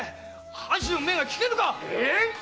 藩主の命が聞けぬか！